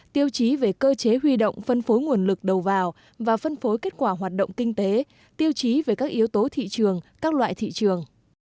tiêu chí về cơ chế huy động phân phối nguồn lực đầu vào và phân phối kết quả hoạt động kinh tế tiêu chí về các yếu tố thị trường các loại thị trường